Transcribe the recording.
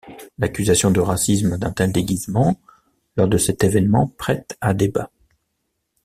L'accusation de racisme d'un tel déguisement lors de cet événement prête à débat.